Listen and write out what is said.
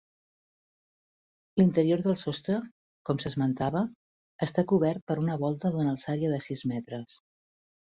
L'interior del sostre, com s'esmentava, està cobert per una volta d'una alçària de sis metres.